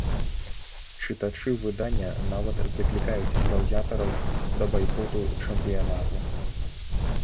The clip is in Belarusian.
Чытачы выдання нават заклікаюць заўзятараў да байкоту чэмпіянату.